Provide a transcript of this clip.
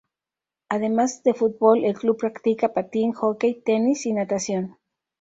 Además de fútbol el club practica patín, hockey, tenis y natación.